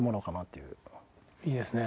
いいですね。